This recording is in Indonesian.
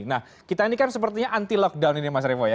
nah kita ini kan sepertinya anti lockdown ini mas revo ya